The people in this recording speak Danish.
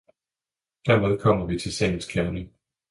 Dermed kommer vi til sagens kerne